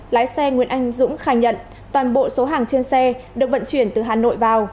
lái xe nguyễn anh dũng khai nhận toàn bộ số hàng trên xe được vận chuyển từ hà nội vào